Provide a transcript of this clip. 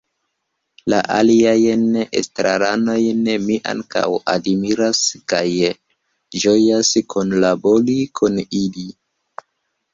La aliajn estraranojn mi ankaŭ admiras kaj ĝojas kunlabori kun ili.